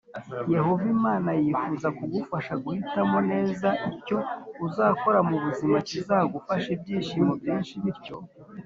Yehova imana yifuza kugufasha guhitamo neza icyo uzakora mu buzima kikazaguhesha ibyishimo byinshi bityo